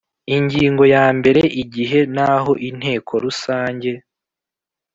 Ingingo ya mbere Igihe n aho Inteko Rusange